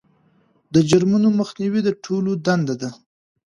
د جرمونو مخنیوی د ټولو دنده ده.